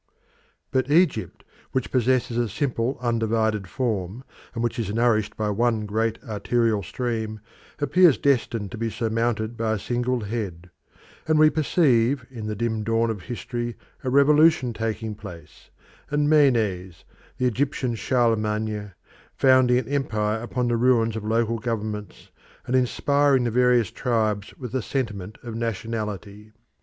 But Egypt, which possesses a simple undivided form, and which is nourished by one great arterial stream, appears destined to be surmounted by a single head, and we perceive in the dim dawn of history a revolution taking place, and Menes, the Egyptian Charlemagne, founding an empire upon the ruins of local governments, and inspiring the various tribes with the sentiment of nationality.